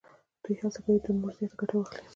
دوی هڅه کوي تر نورو زیاته ګټه واخلي